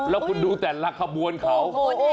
แล้วคุณดูแต่ละขบวนเขา